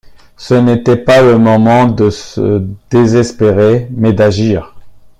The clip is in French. Ce n’était pas le moment de se désespérer, mais d’agir.